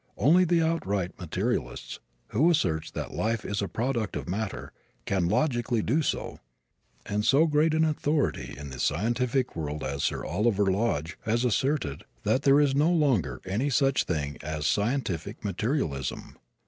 Only the outright materialist, who asserts that life is a product of matter, can logically do so, and so great an authority in the scientific world as Sir Oliver Lodge has asserted that there is no longer any such thing as scientific materialism.